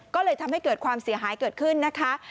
ก็เลยทำให้เกิดความเสียหายเกิดขึ้นนะคะ